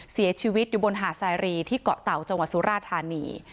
เสียชีวิตอยู่บนหาดสายรีที่เกาะเต่าจังหวัดสุราธานี